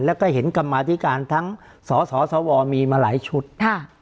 แล้วก็เห็นกรรมาธิการทั้งสสวมีมาหลายชุดค่ะ